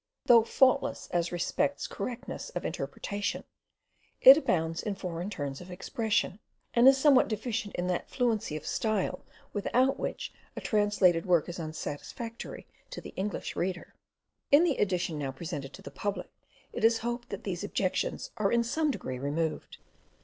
Though faultless as respects correctness of interpretation, it abounds in foreign turns of expression, and is somewhat deficient in that fluency of style without which a translated work is unsatisfactory to the English reader. In the edition now presented to the public it is hoped that these objections are in some degree removed.